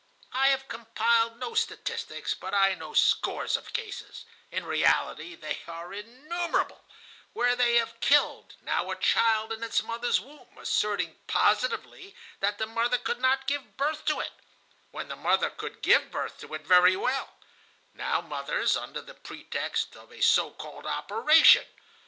I have compiled no statistics, but I know scores of cases—in reality, they are innumerable—where they have killed, now a child in its mother's womb, asserting positively that the mother could not give birth to it (when the mother could give birth to it very well), now mothers, under the pretext of a so called operation.